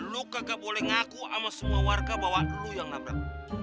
lo kagak boleh ngaku sama semua warga bahwa lo yang nabrak